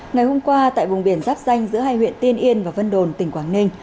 ngày hôm qua tại vùng biển giáp danh giữa hai huyện tiên yên và vân đồn tỉnh quảng ninh